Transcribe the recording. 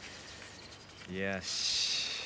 よし。